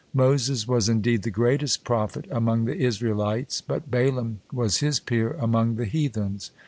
Moses was indeed the greatest prophet among the Israelites, but Balaam was his peer among the heathens.